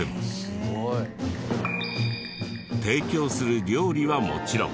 提供する料理はもちろん。